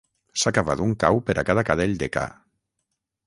S'ha cavat un cau per a cada cadell de ca.